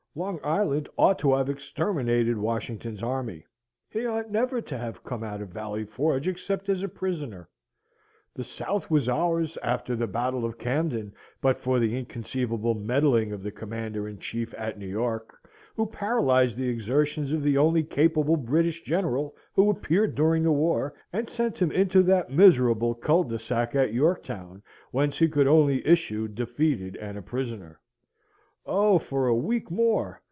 Long Island ought to have exterminated Washington's army; he ought never to have come out of Valley Forge except as a prisoner. The South was ours after the battle of Camden, but for the inconceivable meddling of the Commander in Chief at New York, who paralysed the exertions of the only capable British General who appeared during the war, and sent him into that miserable cul de sac at York Town, whence he could only issue defeated and a prisoner. Oh, for a week more!